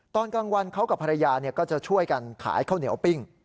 ตอนกลางวันเขากับภรรยาก็จะช่วยกันขายข้าวเหนียวปิ้ง